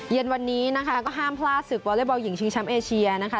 เย็นวันนี้นะคะก็ห้ามพลาดศึกวอเล็กบอลหญิงชิงแชมป์เอเชียนะคะ